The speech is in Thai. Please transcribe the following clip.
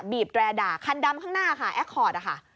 บีบแดร์ด่าคันดำข้างหน้าค่ะแอคคอร์ดค่ะ